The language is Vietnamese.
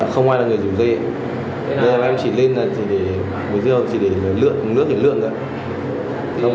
không ai là người giữ dây bây giờ em chỉ lên là chỉ để mua rượu chỉ để lưỡng lưỡng thì lưỡng ạ